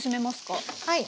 はい。